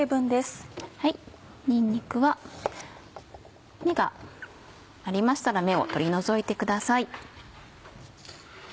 にんにくは芽がありましたら芽を取り除いてください。